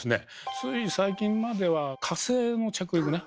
つい最近までは火星の着陸ね